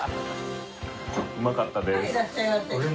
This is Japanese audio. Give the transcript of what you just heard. うまかったです。